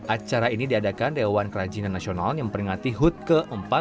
acara ini diadakan dewan kerajinan nasional yang memperingati hut ke empat puluh lima